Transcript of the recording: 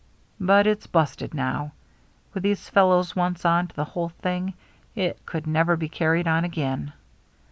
But it's busted now. With these fellows once on to the whole thing, it could never be carried on again.